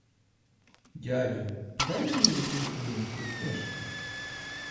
Дядю, дай мені яку українську книжку.